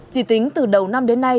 chỉ tính từ đầu năm đến nay